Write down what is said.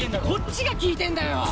こっちが聞いてんだよ！